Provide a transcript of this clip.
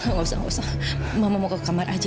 nggak usah nggak usah mama mau ke kamar aja